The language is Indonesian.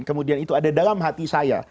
kemudian itu ada dalam hati saya